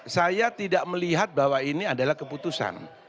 saya tidak melihat bahwa ini adalah keputusan